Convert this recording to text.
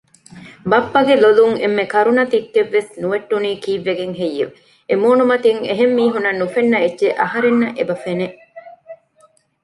ބައްޕަގެ ލޮލުން އެންމެ ކަރުނަ ތިއްކެއްވެސް ނުވެއްޓުނީ ކީއްވެގެން ހެއްޔެވެ؟ އެމޫނުމަތިން އެހެންމީހުންނަށް ނުފެންނަ އެއްޗެއް އަހަރެނަށް އެބަފެނެ